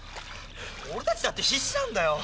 俺たちだって必死なんだよ。